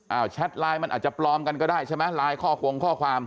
แชทไลน์มันอาจจะปลอมกันก็ได้ใช่ไหมไลน์ข้อคงข้อความ